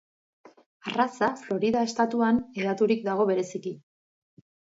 Arraza Florida estatuan hedaturik dago bereziki.